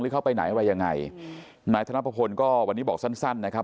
เข้าไปไหนอะไรยังไงนายธนพลก็วันนี้บอกสั้นสั้นนะครับ